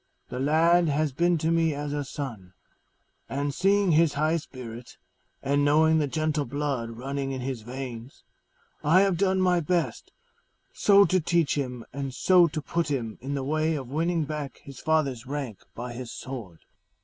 The lad has been to me as a son, and seeing his high spirit, and knowing the gentle blood running in his veins, I have done my best so to teach him and so to put him in the way of winning back his father's rank by his sword."